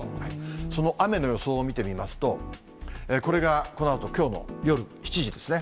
その雨の予想を見てみますと、これがこのあと、きょうの夜７時ですね。